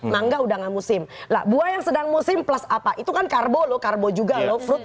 mangga undangan musim lah buah yang sedang musim plus apa itu kan karbo loh karbo juga loh frut